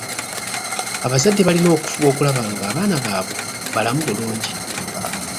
Abazadde balina okufuba okulaba nga abaana baabwe balamu bulungi.